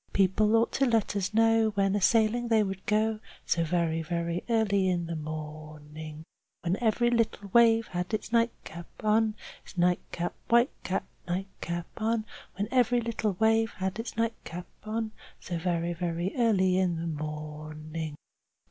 People ought to let us know when a sailing they would go, So very, very early in the morning." Chorus When every little wave has its nightcap on, Its nightcap, white cap, nightcap on. When every little wave has its nightcap on, So very, very early in the morning.